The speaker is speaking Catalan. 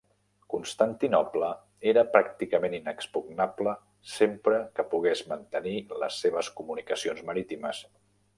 Constantinoble era pràcticament inexpugnable sempre que pogués mantenir les seves comunicacions marítimes.